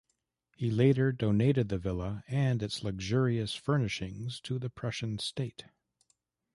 He later donated the villa and its luxurious furnishings to the Prussian state.